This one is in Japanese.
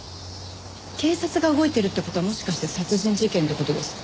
警察が動いてるって事はもしかして殺人事件って事ですか？